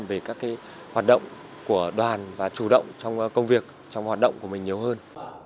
về các hoạt động của đoàn và chủ động trong công việc trong hoạt động của mình nhiều hơn